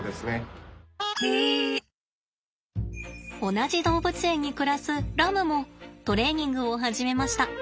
同じ動物園に暮らすラムもトレーニングを始めました。